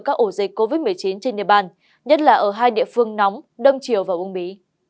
các ổ dịch covid một mươi chín trên địa bàn nhất là ở hai địa phương nóng đông chiều và uông bí